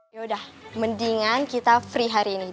yaudah mendingan kita free hari ini